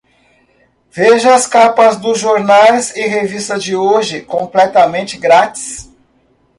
Veja as capas dos jornais e revistas de hoje completamente grátis.